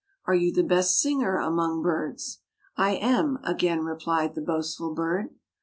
"Are you the best singer among birds?" "I am," again replied the boastful bird.